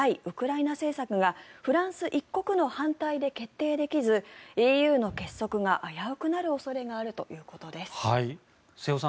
ウクライナ政策がフランス１国の反対で決定できずＥＵの結束が危うくなる恐れがあるということです。